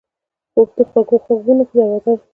خوب د خوږو خوبونو دروازه ده